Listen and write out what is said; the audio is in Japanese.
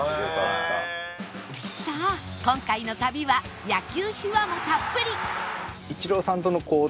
さあ今回の旅は野球秘話もたっぷり！